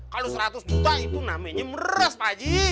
kalau seratus juta itu namanya meres pak aji